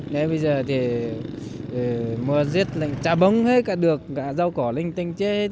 đấy bây giờ thì mua riết lệnh trà bống hết cả được cả rau cỏ linh tinh chết hết